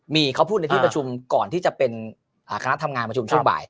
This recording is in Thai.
มีเขาพูดในที่ประชุมก่อนที่จะเป็นคณะทำงานประชุมช่วงบ่าย